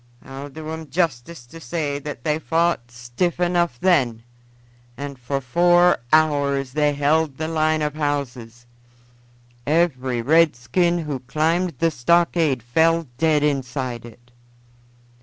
I'll do 'em justice to say that they fought stiff enough then, and for four hours they held the line of houses; every redskin who climbed the stockade fell dead inside it.